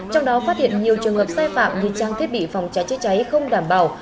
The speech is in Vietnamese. trong đó phát hiện nhiều trường hợp sai phạm như trang thiết bị phòng cháy chữa cháy không đảm bảo